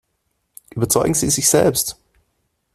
Überzeugen Sie sich selbst!